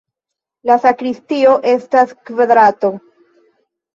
La sakristio estas kvadrato.